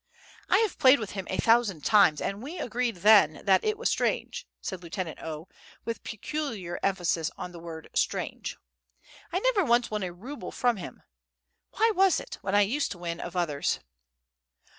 "I have played with him a thousand times, and we agreed then that it was strange," said Lieutenant O., with peculiar emphasis on the word STRANGE [Footnote: Stranno]. "I never once won a ruble from him. Why was it, when I used to win of others?"